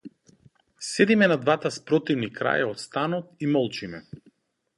Седиме на двата спротивни краја од станот и молчиме.